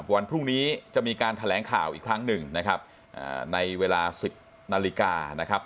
วันพรุ่งนี้จะมีการแถลงข่าวอีกครั้งหนึ่งนะครับในเวลาสิบนาฬิกานะครับ